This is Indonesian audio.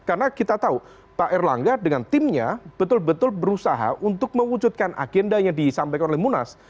karena kita tahu pak erlangga dengan timnya betul betul berusaha untuk mewujudkan agendanya di sampai korle munas